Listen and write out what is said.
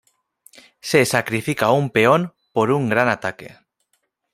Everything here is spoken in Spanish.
Se sacrifica un peón por un gran ataque.